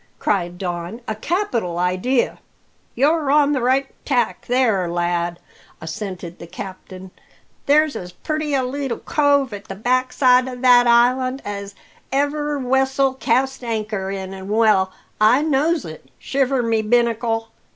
cried Don. "A capital idea!" "You're on the right tack there, lad," assented the captain. "There's as purty a leetle cove at the backside o' that island as ever wessel cast anchor in, an' well I knows it, shiver my binnacle!